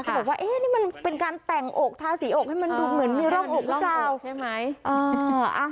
บอกว่านี่มันเป็นการแต่งอกทาสีอกให้มันดูเหมือนมีร่องอกหรือเปล่าใช่ไหม